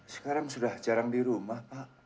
sekarang sudah jarang di rumah pak